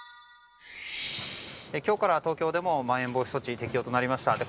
今日から東京でもまん延防止措置適用となりました。